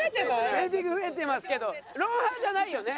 テーピング増えてますけど『ロンハー』じゃないよね？